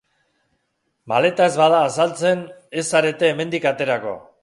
Maleta ez bada azaltzen, ez zarete hemendik aterako.